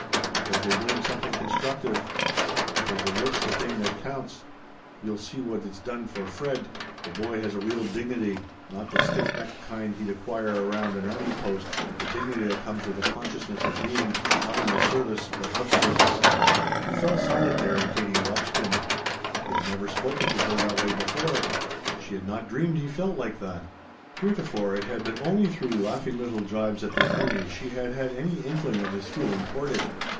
Because they're doing something constructive. Because the work's the thing that counts. You'll see what it's done for Fred. The boy has a real dignity; not the stiff necked kind he'd acquire around an army post, but the dignity that comes with the consciousness of being, not in the service, but of service." He fell silent there, and Katie watched him. He had never spoken to her that way before she had not dreamed he felt like that; heretofore it had been only through laughing little jibes at the army she had had any inkling of his feeling toward it.